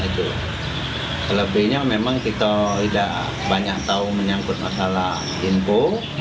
selebihnya memang kita tidak banyak tahu menyangkut masalah info